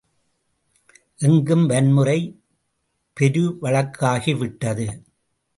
எங்கும் வன்முறை பெருவழக்காகிவிட்டது.